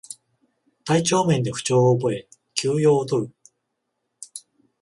体調面で不調を覚え休養をとる